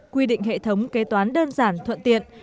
quy định hệ thống kế toán đơn giản thuận tiện